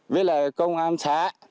với công an xã